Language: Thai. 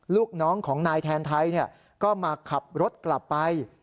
ลูกน้องของนายแทนไทยก็มาขับรถกลับไป